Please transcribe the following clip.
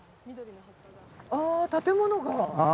あ建物が。